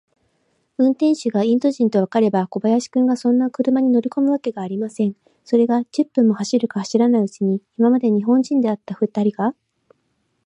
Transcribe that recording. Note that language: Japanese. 運転手がインド人とわかれば、小林君がそんな車に乗りこむわけがありません。それが、十分も走るか走らないうちに、今まで日本人であったふたりが、